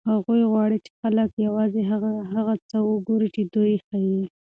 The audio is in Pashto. هغوی غواړي چې خلک یوازې هغه څه وګوري چې دوی یې ښيي.